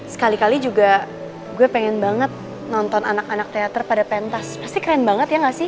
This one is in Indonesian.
sekali kali juga gue pengen banget nonton anak anak teater pada pentas pasti keren banget ya gak sih